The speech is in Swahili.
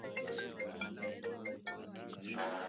ya redio france international idhaa ya kiswahili tukikutangazia